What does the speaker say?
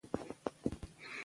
خپل زوى کبير يې ولېد.